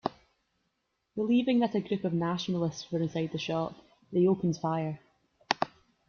Believing that a group of Nationalists were inside the shop, they opened fire.